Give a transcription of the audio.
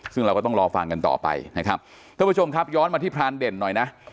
ซึ่งเราก็ต้องรอฟังกันต่อไปนะครับท่านผู้ชมครับย้อนมาที่พรานเด่นหน่อยนะ